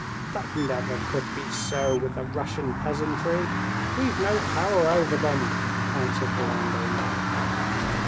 "That never could be so with the Russian peasantry; we've no power over them," answered the landowner.